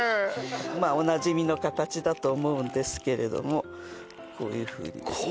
まあおなじみの形だと思うんですけれどもこういうふうにですね